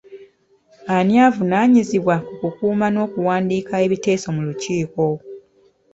Ani avunaanyizibwa ku kukuuma n'okuwandiika ebiteeso mu lukiiko?